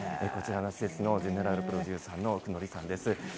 こちらの施設のジェネラルプロデューサーの九里さんです。